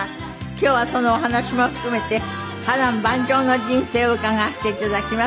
今日はそのお話も含めて波瀾万丈の人生を伺わせて頂きます。